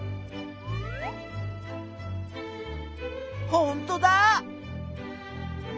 ほんとだ！